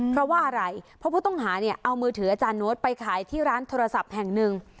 เพราะว่าอะไรเพราะผู้ต้องหาเนี่ยเอามือถืออาจารย์โน้ตไปขายที่ร้านโทรศัพท์แห่งหนึ่ง